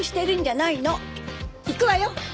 行くわよ！